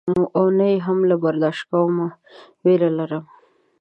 او نه یې هم له برداشته کومه وېره لرم.